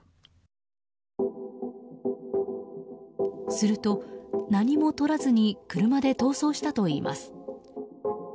すると、何もとらずに車で逃走したといいます。